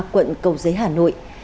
quận cầu giới hà nội